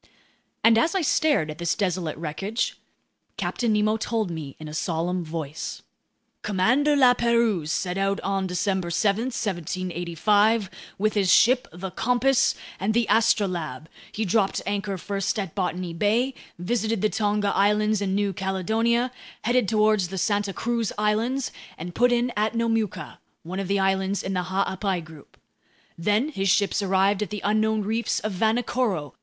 And as I stared at this desolate wreckage, Captain Nemo told me in a solemn voice: "Commander La Pérouse set out on December 7, 1785, with his ships, the Compass and the Astrolabe. He dropped anchor first at Botany Bay, visited the Tonga Islands and New Caledonia, headed toward the Santa Cruz Islands, and put in at Nomuka, one of the islands in the Ha'apai group. Then his ships arrived at the unknown reefs of Vanikoro.